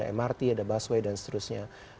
mrt ada busway dan seterusnya